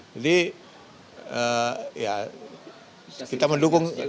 jadi ya kita mendukung